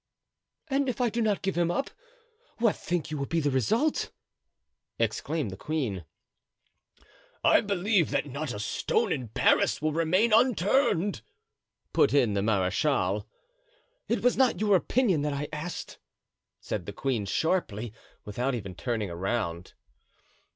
"And if I do not give him up, what think you will be the result?" exclaimed the queen. "I believe that not a stone in Paris will remain unturned," put in the marechal. "It was not your opinion that I asked," said the queen, sharply, without even turning around.